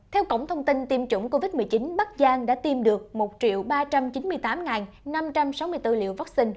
theo cổng thông tin tiêm chủng covid một mươi chín bắc giang đã tiêm được một ba trăm chín mươi tám năm trăm sáu mươi bốn liều vaccine